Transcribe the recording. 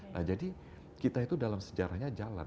nah jadi kita itu dalam sejarahnya jalan